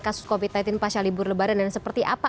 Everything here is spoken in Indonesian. kasus covid sembilan belas pasca libur lebaran dan seperti apa